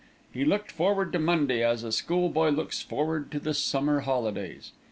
He looked forward to Monday as a schoolboy looks forward to the summer holidays.